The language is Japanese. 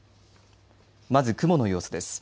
まず雲の様子です。